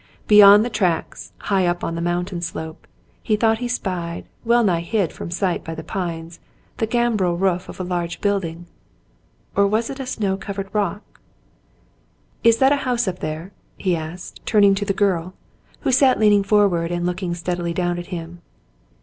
Beyond the tracks, high up on the mountain slope, he thought he spied, well nigh hid from sight by the pines, the gambrel roof of a large building — or was it a snow covered rock ? *'Is that a house up there .f^" he asked, turning to the girl, who sat leaning forward and looking steadily down at him.